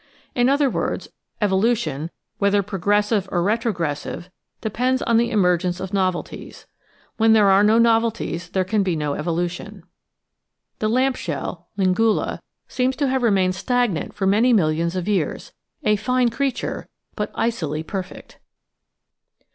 In other words, evolution — ^whether progressive or retrogressive — depends on the emergence of novelties. When there are no novelties there can be no evolution. The Lamp shell, Lingula, seems to have remained stagnant for many millions of years — ^a fine creature, but icily perfect.